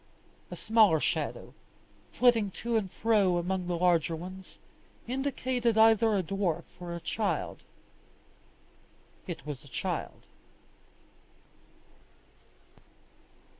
A smaller shadow, flitting to and fro among the larger ones, indicated either a dwarf or a child. It was a child.